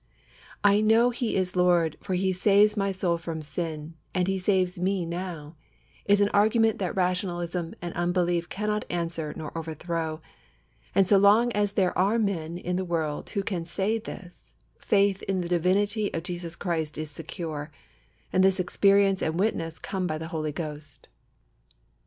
"I know He is Lord, for He saves my soul from sin, and He saves me now," is an argument that rationalism and unbelief cannot answer nor overthrow, and so long as there are men in the world who can say this, faith in the divinity of Jesus Christ is secure; and this experience and witness come by the Holy Ghost.